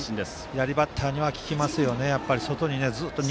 左バッターには効きますね。